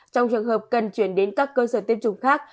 trong trường hợp cần chuyển đến các cơ sở tiêm chủng khác